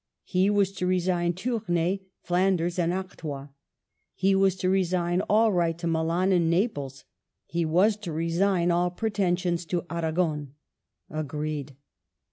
He was to resign Tournay, Flanders, and Artois ; he was to resign all right to Milan and Naples; he was to resign all pretensions to Aragon. Agreed.